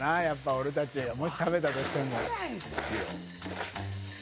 俺たちがもし食べたとしても。